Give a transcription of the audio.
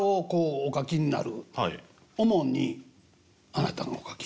主にあなたがお書きに。